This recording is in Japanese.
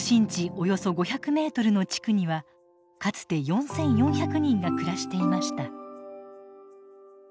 およそ５００メートルの地区にはかつて４，４００人が暮らしていました。